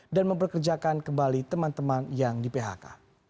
dan memperkerjakan kembali teman teman yang di phk